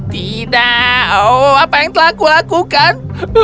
tidak apa yang telah aku lakukan